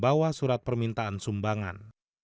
bawa surat permintaan sumbangan